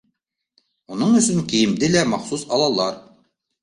Уның өсөн кейемде лә махсус алалар.